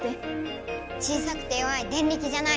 小さくて弱いデンリキじゃない。